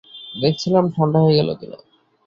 দেখছিলাম ঠান্ডা হয়ে গেল কি-না।